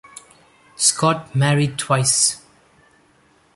Scott married twice.